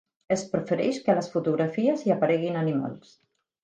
Es prefereix que a les fotografies hi apareguin animals.